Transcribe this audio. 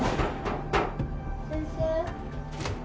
・・先生